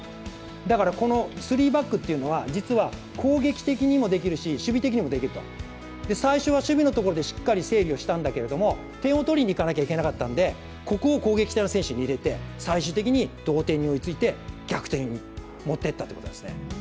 このスリーバックというのは実は攻撃的にもできるし守備的にもできる、最初は守備のところでしっかり整理をしたんだけど、点を取りにいかなきゃいけなかったので、攻撃的にして最終的に同点に追いついて、逆転に持っていったということです。